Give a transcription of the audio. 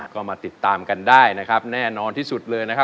ก็มาติดตามกันได้นะครับแน่นอนที่สุดเลยนะครับ